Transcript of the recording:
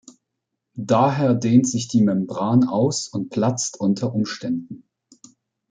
Daher dehnt sich die Membran aus und platzt unter Umständen.